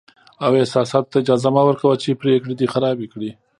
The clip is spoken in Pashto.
او احساساتو ته اجازه مه ورکوه چې پرېکړې دې خرابې کړي.